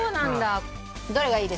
どれがいいですか？